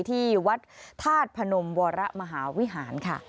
ที่วัดธาตุพนมวรมหาวิหารค่ะ